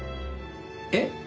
えっ？